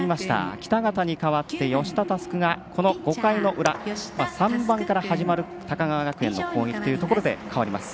北方に代わって吉田佑久がこの５回の裏、３番から始まる高川学園の攻撃というところで代わります。